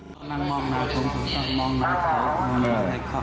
เขานั่งมองน้าผมผมต้องมองน้าเขา